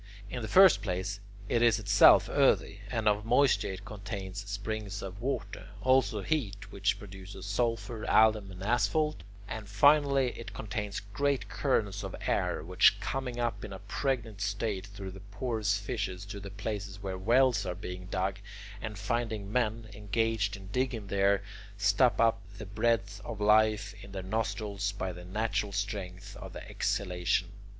In the first place, it is itself earthy, and of moisture it contains springs of water, also heat, which produces sulphur, alum, and asphalt; and finally, it contains great currents of air, which, coming up in a pregnant state through the porous fissures to the places where wells are being dug, and finding men engaged in digging there, stop up the breath of life in their nostrils by the natural strength of the exhalation.